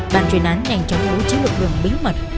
bạn truyền án nhanh chóng hữu chứa lực lượng bí mật